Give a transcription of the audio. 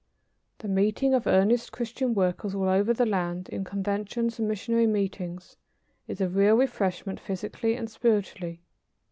The meeting of earnest Christian workers all over the land, in conventions and missionary meetings, is a real refreshment physically and spiritually.